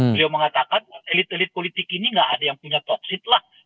beliau mengatakan elit elit politik ini nggak ada yang punya toksit lah